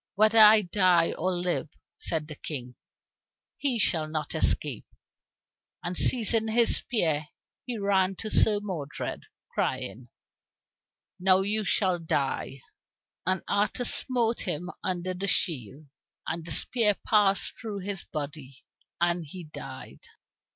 "Whether I die or live," said the King, "he shall not escape." And seizing his spear he ran to Sir Modred, crying, "Now you shall die." And Arthur smote him under the shield, and the spear passed through his body, and he died.